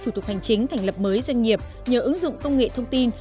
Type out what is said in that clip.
thủ tục hành chính thành lập mới doanh nghiệp nhờ ứng dụng công nghệ thông tin